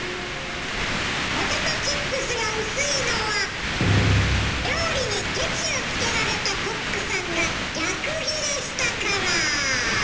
ポテトチップスが薄いのは料理にケチをつけられたコックさんが逆ギレしたから。